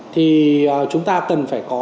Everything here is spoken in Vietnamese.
thì chúng ta cần phải có